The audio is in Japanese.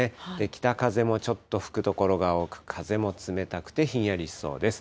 北風もちょっと吹く所が多く、風も冷たくてひんやりしそうです。